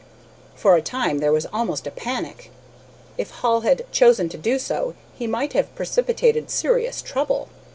For a time there was almost a panic. If Hall had chosen to do so, he might have precipitated serious trouble.